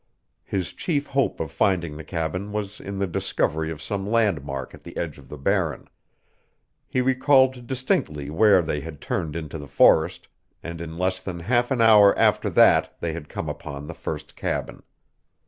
His chief hope of finding the cabin was in the discovery of some landmark at the edge of the Barren. He recalled distinctly where they had turned into the forest, and in less than half an hour after that they had come upon the first cabin.